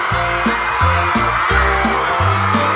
ภารามดู